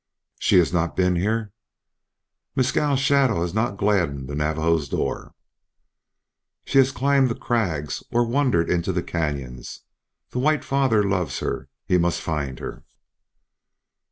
"She has not been here?" "Mescal's shadow has not gladdened the Navajo's door." "She has climbed the crags or wandered into the canyons. The white father loves her; he must find her."